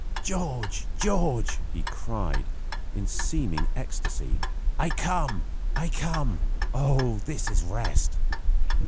"George! George!" he cried, in seeming ecstasy, "I come! I come! Oh! this is rest!"